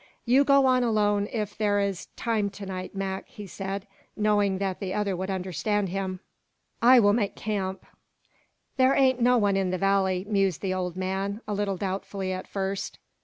"You go on alone if there is time to night, Mac," he said, knowing that the other would understand him. "I will make camp." "There ain't no one in the valley," mused the old man, a little doubtfully at first.